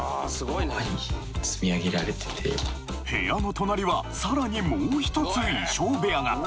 部屋の隣はさらにもうひとつ衣装部屋が。